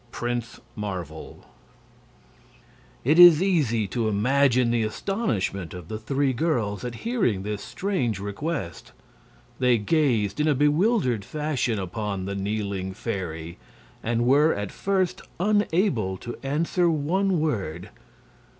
Prince Marvel It is easy to imagine the astonishment of the three girls at hearing this strange request. They gazed in a bewildered fashion upon the kneeling fairy, and were at first unable to answer one word.